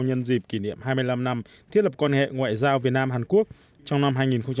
nhân dịp kỷ niệm hai mươi năm năm thiết lập quan hệ ngoại giao việt nam hàn quốc trong năm hai nghìn hai mươi